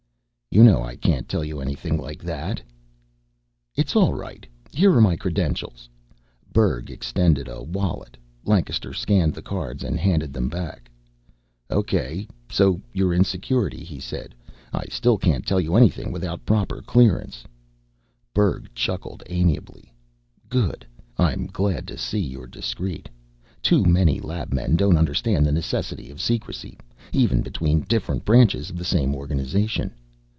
"You know I can't tell you anything like that." "It's all right. Here are my credentials." Berg extended a wallet. Lancaster scanned the cards and handed them back. "Okay, so you're in Security," he said. "I still can't tell you anything, not without proper clearance." Berg chuckled amiably. "Good. I'm glad to see you're discreet. Too many labmen don't understand the necessity of secrecy, even between different branches of the same organization."